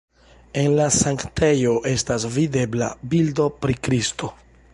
En la sanktejo estas videbla bildo pri Kristo.